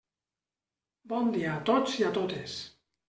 Bon dia a tots i a totes.